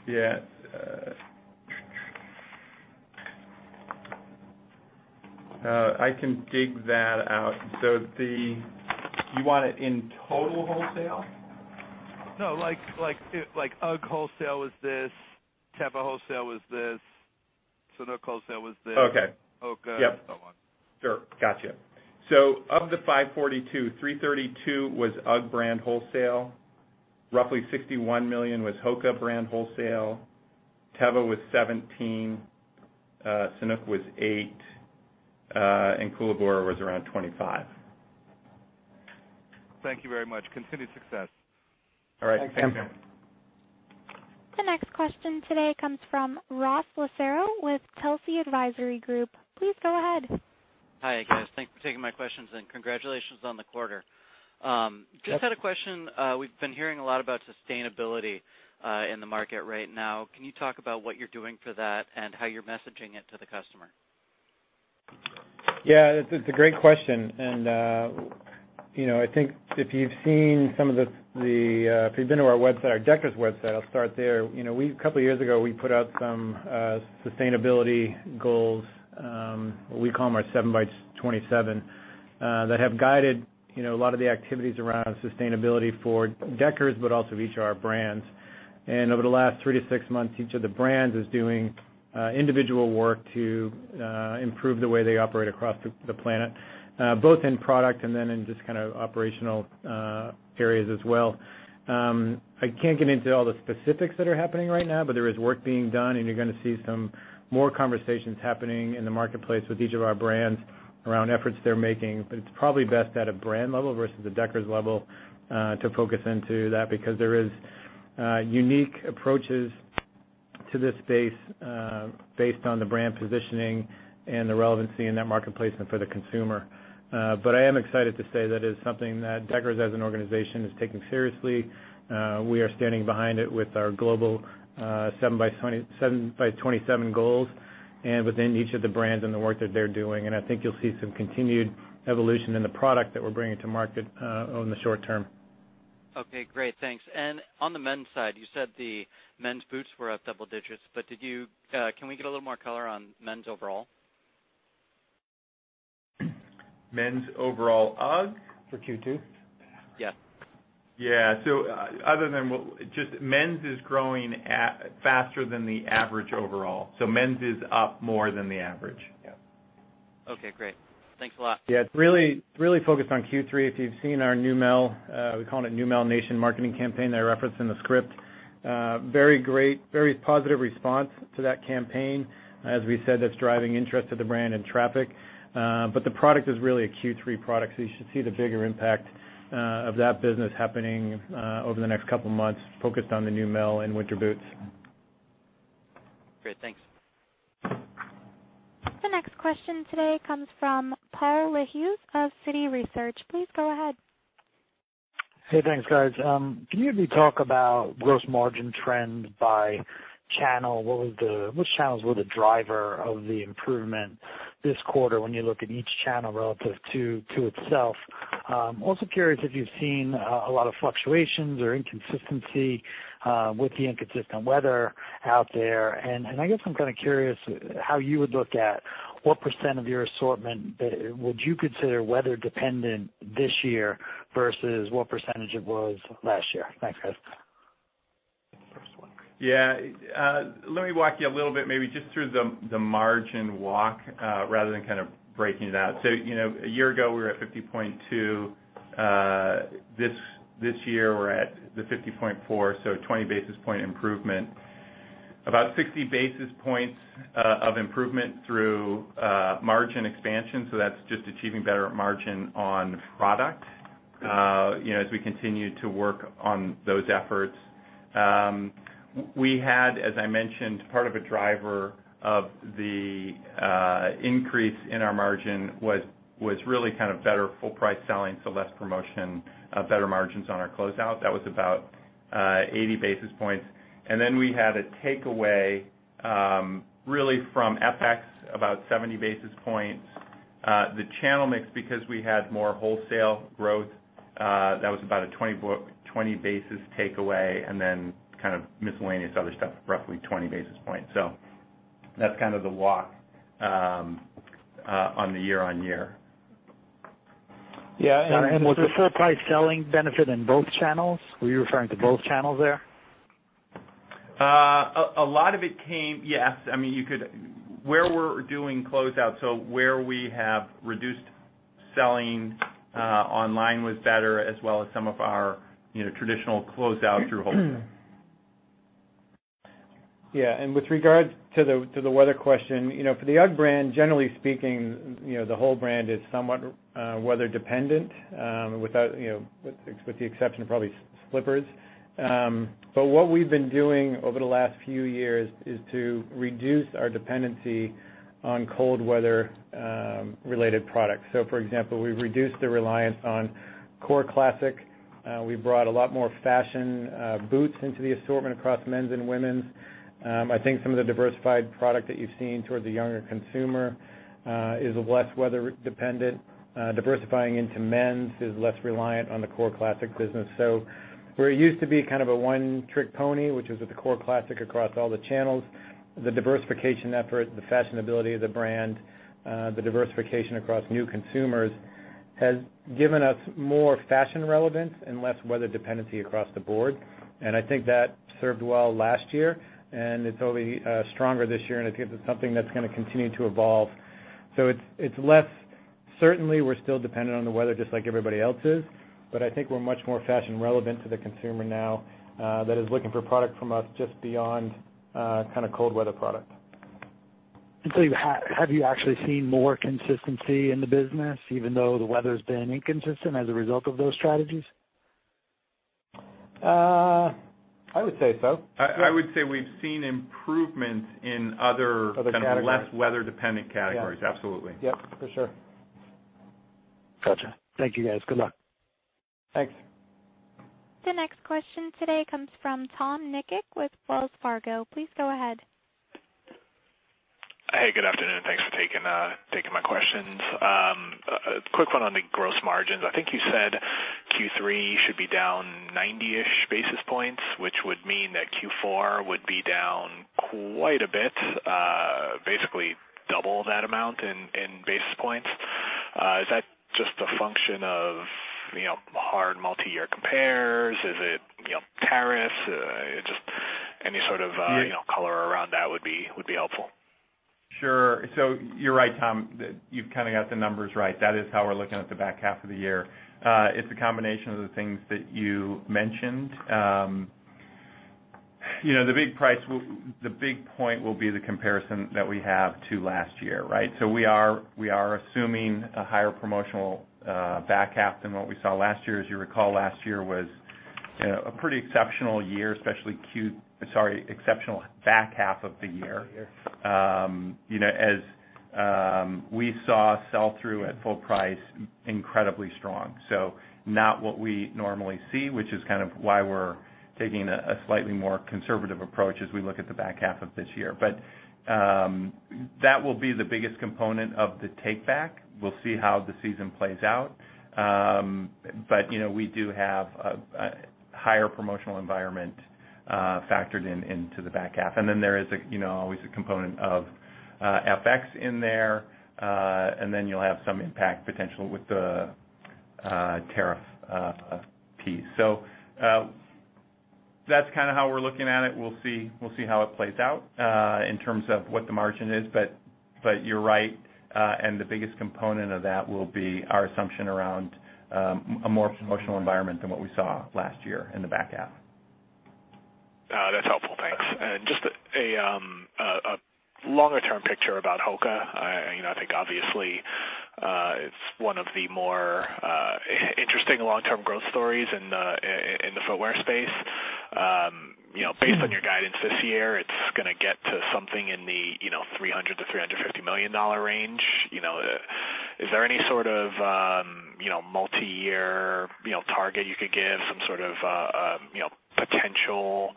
Yeah. I can dig that out. Do you want it in total wholesale? No, like UGG wholesale was this, Teva wholesale was this, Sanuk wholesale was this. Okay. HOKA, and so on. Sure. Got you. Of the $542, $332 was UGG brand wholesale. Roughly $61 million was HOKA brand wholesale. Teva was $17, Sanuk was $8, and Koolaburra was around $25. Thank you very much. Continued success. All right. Thanks. Thanks, Sam. The next question today comes from Ross Luciano with Telsey Advisory Group. Please go ahead. Hi, guys. Thanks for taking my questions, and congratulations on the quarter. Yep. Just had a question. We've been hearing a lot about sustainability in the market right now. Can you talk about what you're doing for that and how you're messaging it to the customer? Yeah, it's a great question, and I think if you've been to our website, our Deckers website, I'll start there. A couple of years ago, we put out some sustainability goals, we call them our 7 by 27, that have guided a lot of the activities around sustainability for Deckers, but also each of our brands. Over the last three to six months, each of the brands is doing individual work to improve the way they operate across the planet both in product and then in just kind of operational areas as well. I can't get into all the specifics that are happening right now, but there is work being done, and you're going to see some more conversations happening in the marketplace with each of our brands around efforts they're making. It's probably best at a brand level versus a Deckers level to focus into that because there is unique approaches to this space based on the brand positioning and the relevancy in that marketplace and for the consumer. I am excited to say that it is something that Deckers as an organization is taking seriously. We are standing behind it with our global 7 by 27 goals and within each of the brands and the work that they're doing. I think you'll see some continued evolution in the product that we're bringing to market on the short term. Okay, great. Thanks. On the men's side, you said the men's boots were up double digits. Can we get a little more color on men's overall? Men's overall UGG? For Q2. Yes. Yeah. Just men's is growing faster than the average overall. Men's is up more than the average. Yeah. Okay, great. Thanks a lot. Yeah. It's really focused on Q3. If you've seen our Neumel, we call it Neumel Nation marketing campaign that I referenced in the script. Very great, very positive response to that campaign. As we said, that's driving interest to the brand and traffic. The product is really a Q3 product, so you should see the bigger impact of that business happening over the next couple of months, focused on the Neumel and winter boots. Great, thanks. The next question today comes from Paul Lejuez of Citi Research. Please go ahead. Hey, thanks, guys. Can you maybe talk about gross margin trend by channel? Which channels were the driver of the improvement this quarter when you look at each channel relative to itself? I'm also curious if you've seen a lot of fluctuations or inconsistency with the inconsistent weather out there. I guess I'm kind of curious how you would look at what % of your assortment would you consider weather-dependent this year versus what % it was last year. Thanks, guys. Yeah. Let me walk you a little bit, maybe just through the margin walk rather than kind of breaking it out. A year ago, we were at 50.2. This year we're at the 50.4, so 20 basis point improvement. About 60 basis points of improvement through margin expansion. That's just achieving better margin on product as we continue to work on those efforts. We had, as I mentioned, part of a driver of the increase in our margin was really kind of better full price selling, so less promotion, better margins on our closeout. That was about 80 basis points. We had a takeaway, really from FX, about 70 basis points. The channel mix because we had more wholesale growth, that was about a 20 basis takeaway, and then kind of miscellaneous other stuff, roughly 20 basis points. That's kind of the walk on the year-on-year. Yeah. Was the full price selling benefit in both channels? Were you referring to both channels there? A lot of it came Yes. Where we're doing closeout, so where we have reduced selling online was better, as well as some of our traditional closeout through wholesale. Yeah. With regards to the weather question, for the UGG brand, generally speaking, the whole brand is somewhat weather dependent, with the exception of probably slippers. What we've been doing over the last few years is to reduce our dependency on cold weather related products. For example, we've reduced the reliance on core classic. We brought a lot more fashion boots into the assortment across men's and women's. I think some of the diversified product that you've seen towards the younger consumer is less weather dependent. Diversifying into men's is less reliant on the core classic business. Where it used to be kind of a one-trick pony, which was with the core classic across all the channels, the diversification effort, the fashionability of the brand, the diversification across new consumers, has given us more fashion relevance and less weather dependency across the board. I think that served well last year, and it's only stronger this year, and I think it's something that's going to continue to evolve. It's less certainly we're still dependent on the weather just like everybody else is. I think we're much more fashion relevant to the consumer now that is looking for product from us just beyond kind of cold weather product. Have you actually seen more consistency in the business, even though the weather's been inconsistent as a result of those strategies? I would say so. I would say we've seen improvements in other- Other categories kind of less weather dependent categories. Absolutely. Yep, for sure. Got you. Thank you, guys. Good luck. Thanks. The next question today comes from Tom Nikic with Wells Fargo. Please go ahead. Hey, good afternoon. Thanks for taking my questions. A quick one on the gross margins. I think you said Q3 should be down 90-ish basis points, which would mean that Q4 would be down quite a bit, basically double that amount in basis points. Is that just a function of hard multi-year compares? Is it tariffs? Just any sort of color around that would be helpful. Sure. You're right, Tom. You've kind of got the numbers right. That is how we're looking at the back half of the year. It's a combination of the things that you mentioned. The big point will be the comparison that we have to last year, right? We are assuming a higher promotional back half than what we saw last year. As you recall, last year was a pretty exceptional year, especially exceptional back half of the year. As we saw sell through at full price, incredibly strong. Not what we normally see, which is kind of why we're taking a slightly more conservative approach as we look at the back half of this year. That will be the biggest component of the take back. We'll see how the season plays out. We do have a higher promotional environment Factored into the back half. There is always a component of FX in there, and then you'll have some impact potential with the tariff piece. That's kind of how we're looking at it. We'll see how it plays out, in terms of what the margin is. You're right. The biggest component of that will be our assumption around a more promotional environment than what we saw last year in the back half. That's helpful. Thanks. Just a longer-term picture about HOKA. I think obviously, it's one of the more interesting long-term growth stories in the footwear space. Based on your guidance this year, it's going to get to something in the $300 million-$350 million range. Is there any sort of multi-year target you could give, some sort of potential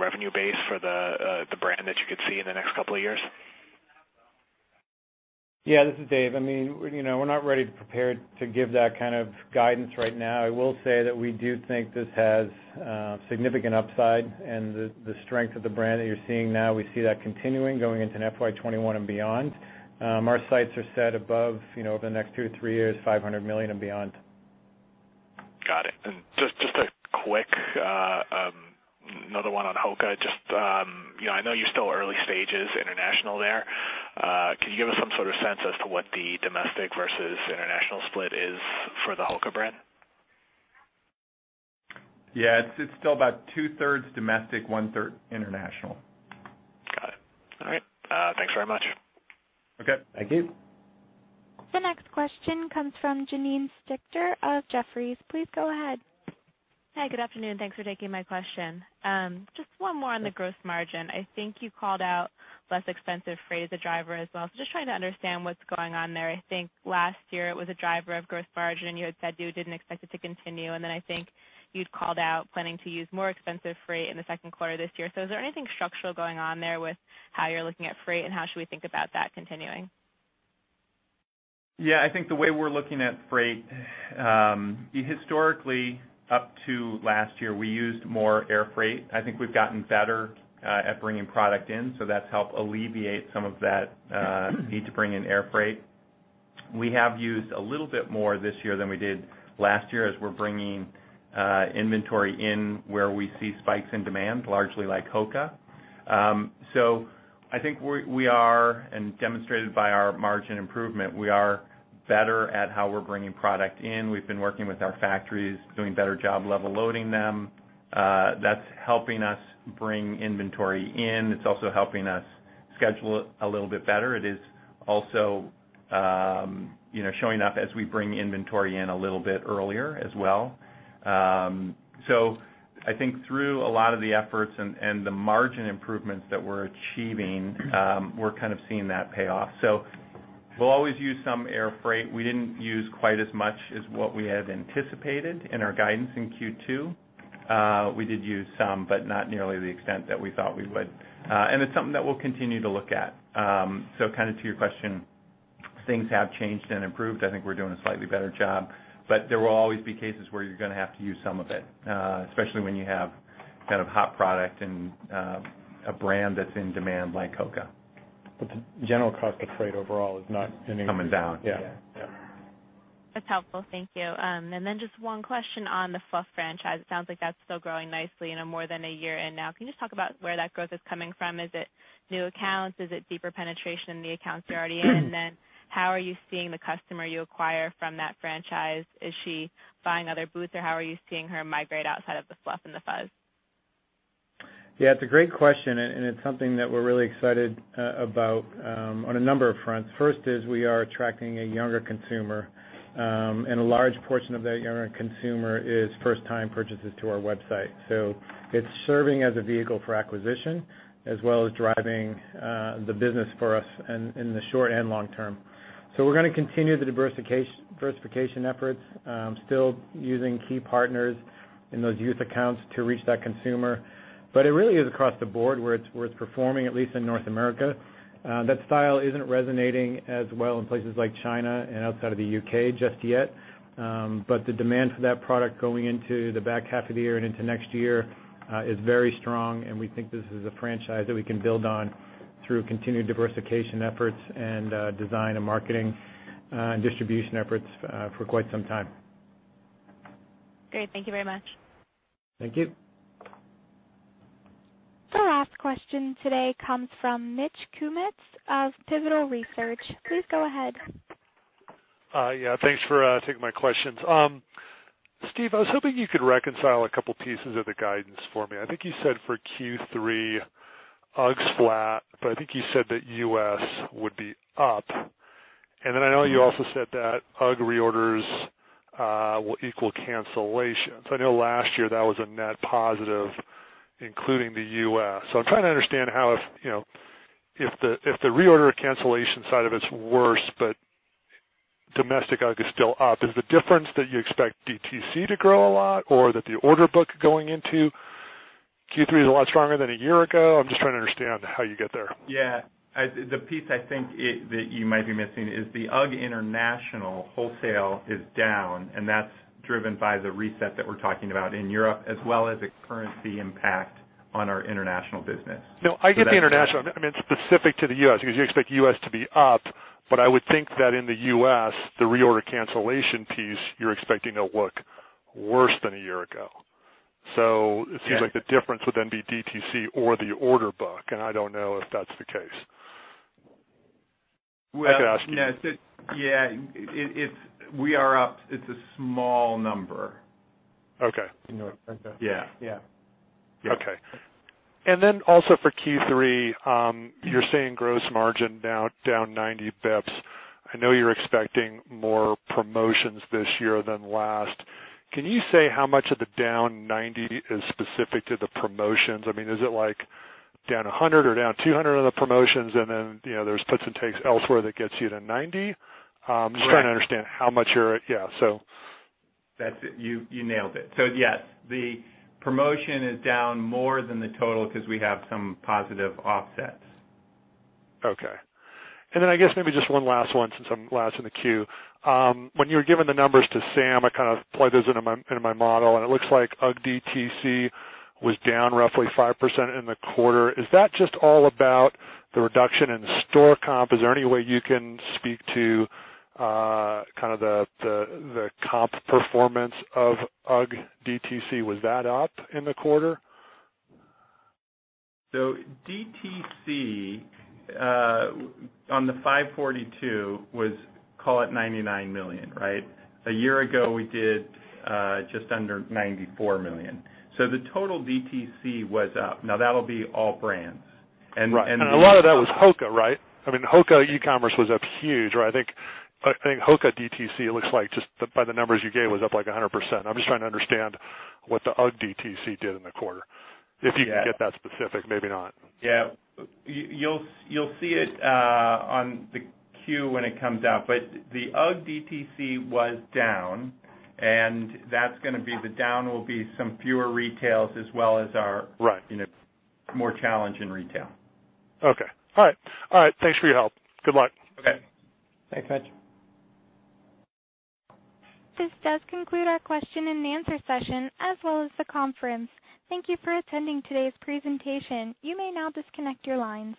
revenue base for the brand that you could see in the next couple of years? Yeah, this is Dave. We're not really prepared to give that kind of guidance right now. I will say that we do think this has significant upside. The strength of the brand that you're seeing now, we see that continuing, going into FY 2021 and beyond. Our sights are set above, over the next two to three years, $500 million and beyond. Got it. Just a quick, another one on HOKA. I know you're still early stages international there. Can you give us some sort of sense as to what the domestic versus international split is for the HOKA brand? Yeah, it's still about two-thirds domestic, one-third international. Got it. All right. Thanks very much. Okay. Thank you. The next question comes from Janine Stichter of Jefferies. Please go ahead. Hi, good afternoon. Thanks for taking my question. Just one more on the gross margin. I think you called out less expensive freight as a driver as well. Just trying to understand what's going on there. I think last year it was a driver of gross margin, and you had said you didn't expect it to continue. Then I think you'd called out planning to use more expensive freight in the second quarter this year. Is there anything structural going on there with how you're looking at freight, and how should we think about that continuing? I think the way we're looking at freight, historically up to last year, we used more air freight. I think we've gotten better at bringing product in, that's helped alleviate some of that need to bring in air freight. We have used a little bit more this year than we did last year as we're bringing inventory in where we see spikes in demand, largely like HOKA. I think we are, and demonstrated by our margin improvement, we are better at how we're bringing product in. We've been working with our factories, doing a better job level loading them. That's helping us bring inventory in. It's also helping us schedule it a little bit better. It is also showing up as we bring inventory in a little bit earlier as well. I think through a lot of the efforts and the margin improvements that we're achieving, we're kind of seeing that pay off. We'll always use some air freight. We didn't use quite as much as what we had anticipated in our guidance in Q2. We did use some, but not nearly to the extent that we thought we would. It's something that we'll continue to look at. Kind of to your question, things have changed and improved. I think we're doing a slightly better job, but there will always be cases where you're going to have to use some of it, especially when you have kind of hot product and a brand that's in demand like HOKA. The general cost of freight overall is not. Coming down. Yeah. Yeah. That's helpful. Thank you. Just one question on the Fluff franchise. It sounds like that's still growing nicely in more than a year in now. Can you just talk about where that growth is coming from? Is it new accounts? Is it deeper penetration in the accounts you're already in? How are you seeing the customer you acquire from that franchise? Is she buying other boots, or how are you seeing her migrate outside of the Fluff and the fuzz? Yeah, it's a great question, and it's something that we're really excited about on a number of fronts. First is we are attracting a younger consumer, and a large portion of that younger consumer is first-time purchases to our website. It's serving as a vehicle for acquisition, as well as driving the business for us in the short and long term. We're going to continue the diversification efforts, still using key partners in those youth accounts to reach that consumer. It really is across the board where it's performing, at least in North America. That style isn't resonating as well in places like China and outside of the U.K. just yet. The demand for that product going into the back half of the year and into next year is very strong, and we think this is a franchise that we can build on through continued diversification efforts and design and marketing and distribution efforts for quite some time. Great. Thank you very much. Thank you. The last question today comes from Mitch Kummetz of Pivotal Research. Please go ahead. Thanks for taking my questions. Steve, I was hoping you could reconcile a couple pieces of the guidance for me. I think you said for Q3, UGG's flat, but I think you said that U.S. would be up. I know you also said that UGG reorders will equal cancellations. I know last year that was a net positive, including the U.S. I'm trying to understand how, if the reorder or cancellation side of it's worse, but domestic UGG is still up, is the difference that you expect DTC to grow a lot or that the order book going into Q3 is a lot stronger than a year ago? I'm just trying to understand how you get there. Yeah. The piece I think that you might be missing is the UGG International wholesale is down. That's driven by the reset that we're talking about in Europe, as well as a currency impact on our international business. No, I get the international. I meant specific to the U.S., because you expect U.S. to be up. I would think that in the U.S., the reorder cancellation piece, you're expecting to look worse than a year ago. It seems like the difference would then be DTC or the order book, and I don't know if that's the case. I could ask you. Yeah. We are up, it's a small number. Okay. You know what, Franco? Yeah. Yeah. Okay. Also for Q3, you're saying gross margin down 90 basis points. I know you're expecting more promotions this year than last. Can you say how much of the down 90 is specific to the promotions? Is it down 100 or down 200 on the promotions, and then there's puts and takes elsewhere that gets you to 90? Right. I'm just trying to understand how much you're at. Yeah, so. That's it. You nailed it. Yes, the promotion is down more than the total because we have some positive offsets. Okay. I guess maybe just one last one since I'm last in the queue. When you were giving the numbers to Sam, I kind of plugged those into my model and it looks like UGG DTC was down roughly 5% in the quarter. Is that just all about the reduction in store comp? Is there any way you can speak to the comp performance of UGG DTC? Was that up in the quarter? DTC, on the 542, was, call it $99 million. Right? A year ago, we did just under $94 million. The total DTC was up. Now, that'll be all brands. Right. A lot of that was HOKA, right? HOKA e-commerce was up huge. I think HOKA DTC looks like, just by the numbers you gave, was up like 100%. I'm just trying to understand what the UGG DTC did in the quarter. If you can get that specific, maybe not. Yeah. You'll see it on the Q when it comes out. The UGG DTC was down, and that's going to be the down will be some fewer retails as well as our- Right more challenge in retail. Okay. All right. Thanks for your help. Good luck. Okay. Thanks, Mitch. This does conclude our question and answer session as well as the conference. Thank you for attending today's presentation. You may now disconnect your lines.